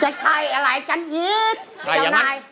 จัดใครอะไรจันทรีย์